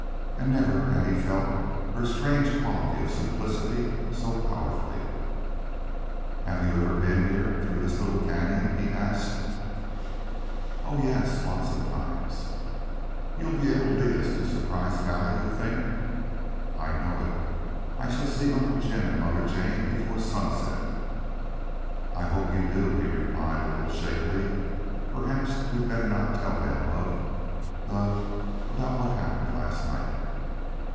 And never had he felt her strange quality of simplicity so powerfully. "Have you ever been here through this little cañon?" he asked. "Oh yes, lots of times." "You'll be able to lead us to Surprise Valley, you think?" "I know it. I shall see Uncle Jim and Mother Jane before sunset!" "I hope you do," he replied, a little shakily. "Perhaps we'd better not tell them of the the about what happened last night."